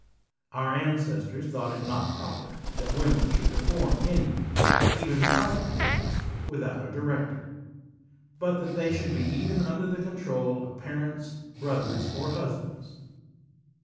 Qui ancestors thought it not proper that womei should perform any, even private business, with out a director; but that they should be evei under the control of parents, brothers, or hus 16 CATO THE CENSOR bands.